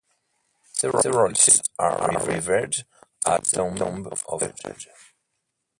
Several sites are revered as the tomb of Hud.